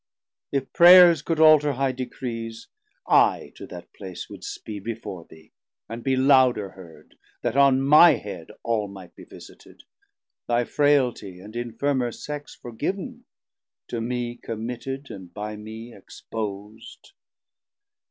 If Prayers Could alter high Decrees, I to that place Would speed before thee, and be louder heard, That on my head all might be visited, Thy frailtie and infirmer Sex forgiv'n, To me committed and by me expos'd.